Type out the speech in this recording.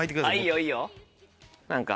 いいよいいよ何か。